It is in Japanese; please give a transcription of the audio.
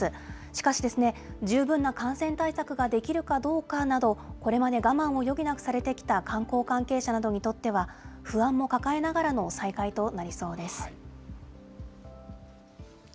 しかし、十分な感染対策ができるかどうかなど、これまで我慢を余儀なくされてきた観光関係者などにとっては、不安も抱えながらの再開となりそうです。